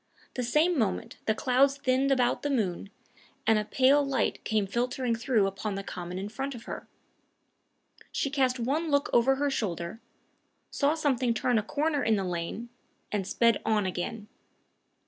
The same moment the clouds thinned about the moon, and a pale light came filtering through upon the common in front of her. She cast one look over her shoulder, saw something turn a corner in the lane, and sped on again.